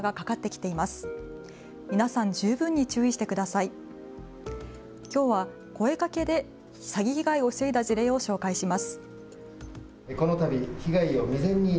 きょうは声かけで詐欺被害を防いだ事例を紹介します。